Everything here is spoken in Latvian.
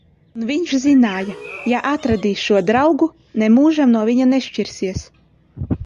Un viņš zināja: ja atradīs šo draugu, nemūžam no viņa nešķirsies.